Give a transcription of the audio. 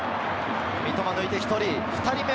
三笘が抜いて１人、２人目。